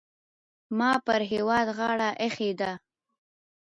ما پر هېواد غاړه اېښې ده.